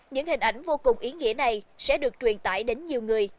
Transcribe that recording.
những hình ảnh vô cùng ý nghĩa này sẽ được truyền tải đến nhiều người